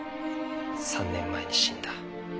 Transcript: ３年前に死んだ。